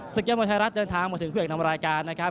ศักยบรรทรรัฐเดินทางมาถึงเพื่อนกันทำรายการนะครับ